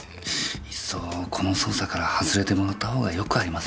いっそこの捜査から外れてもらった方が良くありません？